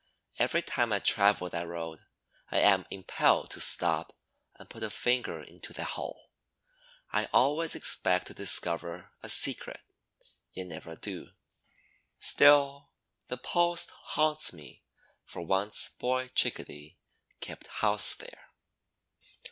Every time I travel that road I am impelled to stop and put a finger into that hole. I always expect to discover a secret, yet never do. Still, the post haunts me for once Boy Chickadee kept house there.